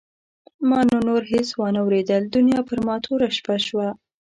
ما نو نور هېڅ وانه ورېدل دنیا پر ما توره شپه شوه.